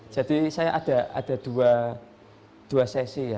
jadi saya ada dua sesi ya